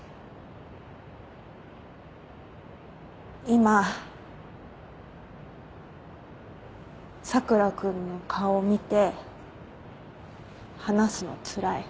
今佐倉君の顔見て話すのつらい。